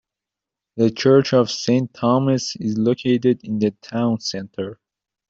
The Church of Saint Thomas is located in the town centre.